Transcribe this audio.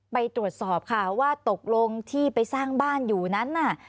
ไปตรวจสอบค่ะว่าตกลงที่ไปสร้างบ้านอยู่นั้นน่ะ